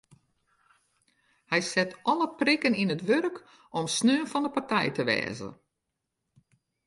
Hy set alle prikken yn it wurk om sneon fan de partij te wêze.